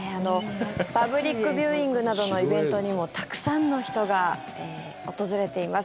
パブリックビューイングなどのイベントにもたくさんの人が訪れています。